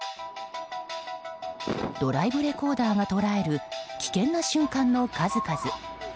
ドライブレコーダーが捉える危険な瞬間の数々。